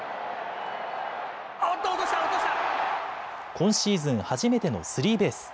今シーズン初めてのスリーベース。